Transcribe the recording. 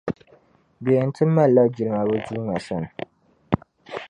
Bɛ yɛn ti malila jilma’bɛ Duuma sani.